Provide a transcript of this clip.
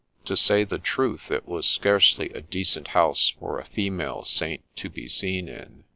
To say the truth, it was scarcely a decent house for a female Saint to be seen in.